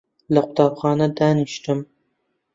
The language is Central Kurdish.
لە قوتابخانە دانیشتم